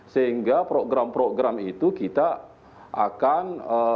sehingga program program itu kita akan